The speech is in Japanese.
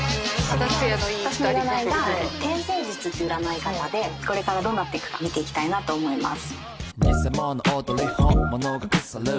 私の占いが天星術っていう占い方でこれからどうなっていくか見ていきたいなと思います。